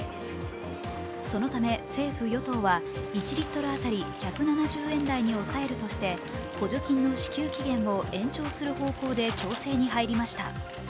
そのため政府・与党は１リットル当たり１７０円台に抑えるとして補助金の支給期限を延長する方向で調整に入りました。